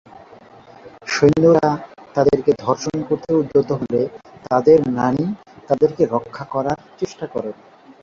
সৈন্যরা তাদেরকে ধর্ষণ করতে উদ্যত হলে তাদের নানি তাদেরকে রক্ষা করার চেষ্টা করেন।